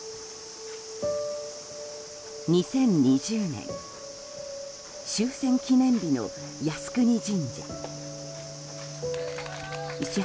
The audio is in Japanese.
２０２０年終戦記念日の靖国神社。